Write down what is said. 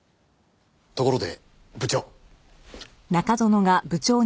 ところで部長。